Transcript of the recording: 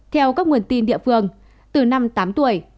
theo các nguồn tin địa phương từ năm tám tuổi